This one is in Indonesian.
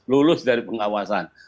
lulus dari pengawasan